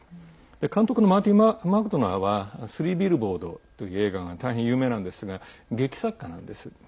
監督のマーティン・マクドナーは「スリー・ビルボード」という映画が大変有名なんですが劇作家なんです。